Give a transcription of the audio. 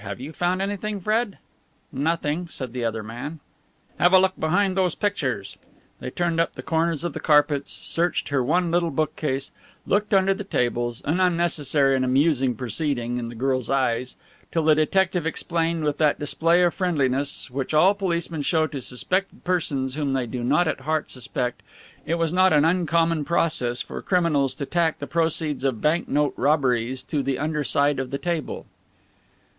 "Have you found anything, Fred?" "Nothing," said the other man. "Have a look behind those pictures." They turned up the corners of the carpets, searched her one little bookcase, looked under the tables, an unnecessary and amusing proceeding in the girl's eyes till the detective explained with that display of friendliness which all policemen show to suspected persons whom they do not at heart suspect, it was not an uncommon process for criminals to tack the proceeds of bank note robberies to the underside of the table.